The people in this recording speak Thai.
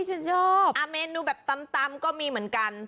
ฉันชอบเมนูแบบตำก็มีเหมือนกัน